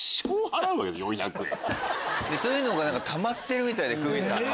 そういうのがたまってるみたいでクミさんが。